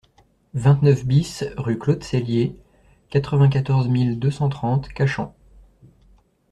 vingt-neuf BIS rue Claude Cellier, quatre-vingt-quatorze mille deux cent trente Cachan